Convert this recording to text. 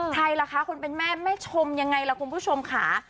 ใครล่ะคะคนเป็นแม่แม่ชมยังไงล่ะคุณผู้ชมค่ะ